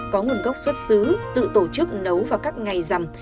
có nguồn gốc xuất xứ tự tổ chức nấu vào các ngày rằm